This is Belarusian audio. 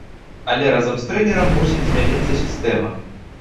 Але разам з трэнерам мусіць змяніцца сістэма.